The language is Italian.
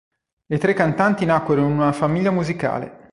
Le tre cantanti nacquero in una famiglia musicale.